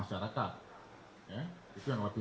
sudah pasti ya itu